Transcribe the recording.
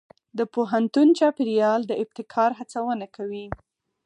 د پوهنتون چاپېریال د ابتکار هڅونه کوي.